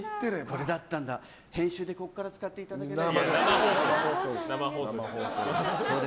これだったんだ編集でここから使っていただけないか。